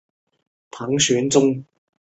子实层体由菌管及萌发孔而非菌褶构成。